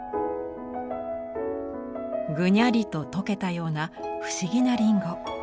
ぐにゃりと溶けたような不思議なりんご。